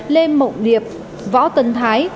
lê mộng điệp võ tân thái